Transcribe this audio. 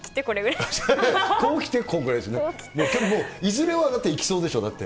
いずれはだって、いきそうでしょ？だって。